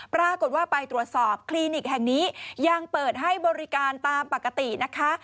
ปรากฏว่าไปตรวจสอบคลินิกแห่งนี้ยังเปิดให้บริการตามปกตินะคะ